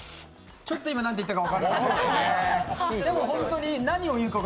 ちょっと今、何て言ってたか分かりませんが。